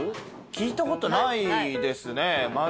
聞いたことないですね。